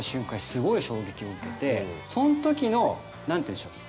すごい衝撃を受けてそのときの何て言うんでしょう？